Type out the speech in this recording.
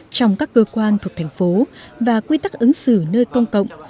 trong các cơ quan thuộc thành phố và quy tắc ứng xử nơi công cộng